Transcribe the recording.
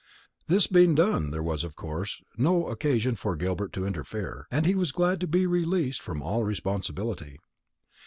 This being done, there was, of course, no occasion for Gilbert to interfere, and he was glad to be released from all responsibility.